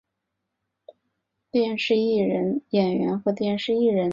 山崎大辉是日本静冈县出生的男性演员和电视艺人。